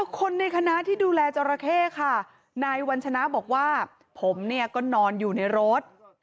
คนในคณะที่ดูแลจราเข้ค่ะนายวัญชนะบอกว่าผมเนี่ยก็นอนอยู่ในรถ